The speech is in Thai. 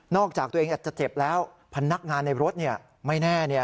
จากตัวเองอาจจะเจ็บแล้วพนักงานในรถไม่แน่